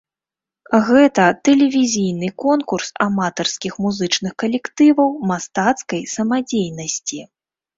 Гэта тэлевізійны конкурс аматарскіх музычных калектываў мастацкай самадзейнасці.